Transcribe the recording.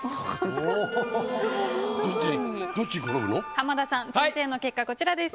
浜田さん先生の結果こちらです。